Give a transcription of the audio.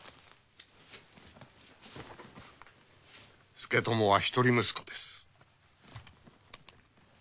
佐智は一人息子です。